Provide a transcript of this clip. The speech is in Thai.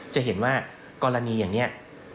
จะเห็นว่ากรณีอย่างนี้